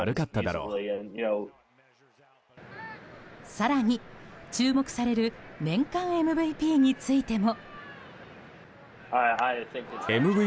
更に、注目される年間ＭＶＰについても。